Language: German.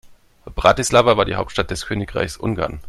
Bratislava war die Hauptstadt des Königreichs Ungarn.